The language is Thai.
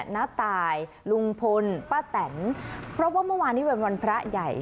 น้าตายลุงพลป้าแตนเพราะว่าเมื่อวานนี้เป็นวันพระใหญ่